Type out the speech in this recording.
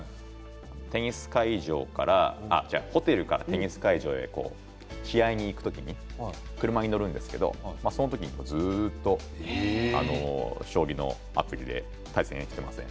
テニス会場から違うホテルからテニス会場へ試合に行く時車に乗るんですけどその時にずっと将棋のアプリで対戦していますね